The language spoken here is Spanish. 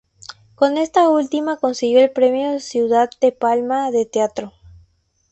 Con esta última consiguió el Premio Ciudad de Palma de Teatro.